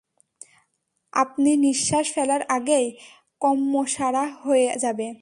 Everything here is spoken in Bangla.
আপনি নিঃশ্বাস ফেলার আগেই কম্মোসারা হয়ে যাবে!